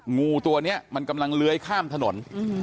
งูตัวนี้มันกำลังเลื้อยข้ามถนน